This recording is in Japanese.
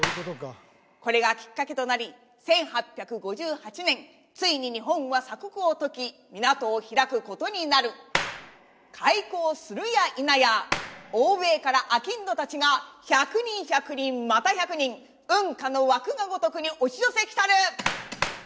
これがきっかけとなり１８５８年ついに日本は鎖国を解き港を開くことになる開港するやいなや欧米からあきんど達が１００人１００人また１００人うんかの湧くがごとくに押し寄せ来たる！